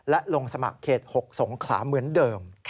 และลงสมัครเขต๖สงขลาเหมือนเดิม